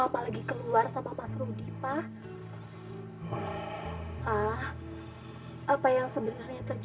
saat valya babi jangan nyekep